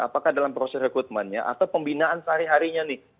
apakah dalam proses rekrutmennya atau pembinaan sehari harinya nih